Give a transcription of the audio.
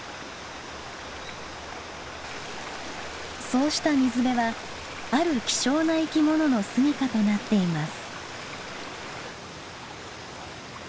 そうした水辺はある希少な生きものの住みかとなっています。